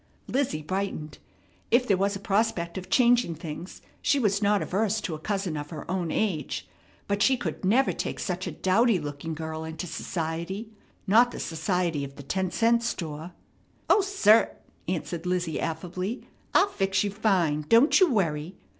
Lizzie brightened. If there was a prospect of changing things, she was not averse to a cousin of her own age; but she never could take such a dowdy looking girl into society, not the society of the ten cent store. "O, cert!" answered Lizzie affably. "I'll fix you fine. Don't you worry.